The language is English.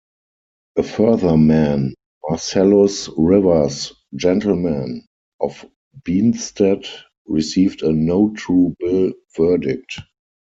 A further man, Marcellus Rivers, gentleman, of Benstead, received a "no true bill" verdict.